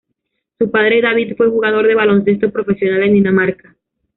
Su padre David fue jugador de baloncesto profesional en Dinamarca.